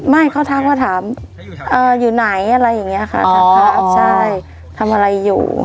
ไม่เขาถามว่าถามอยู่ไหนอะไรอย่างเงี้ยค่ะถามอะไรอยู่